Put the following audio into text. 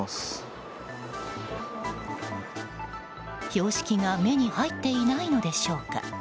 標識が目に入っていないのでしょうか。